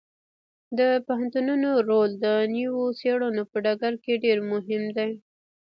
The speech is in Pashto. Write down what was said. د پوهنتونونو رول د نویو څیړنو په ډګر کې ډیر مهم دی.